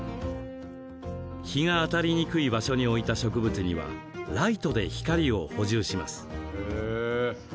日が当たりにくい場所に置いた植物にはライトで光を補充します。